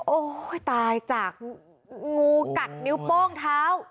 โอ้โหตายจากงูกัดนิ้วโป้งเท้า